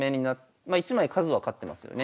まあ１枚数は勝ってますよね。